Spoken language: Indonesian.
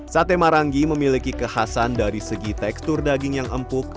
sate marangi memiliki kekhasan dari segi tekstur daging yang empuk